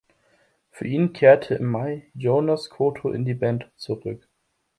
Für ihn kehrte im Mai Joonas Koto in die Band zurück.